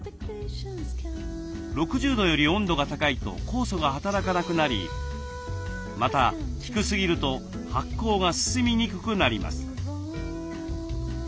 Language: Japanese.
６０度より温度が高いと酵素が働かなくなりまた低すぎると発酵が進みにくくなります。